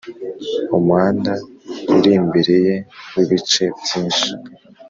umuhanda urimbereye w'ibice byinshi